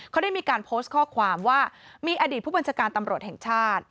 เขาได้มีการโพสต์ข้อความว่ามีอดีตผู้บัญชาการตำรวจแห่งชาติ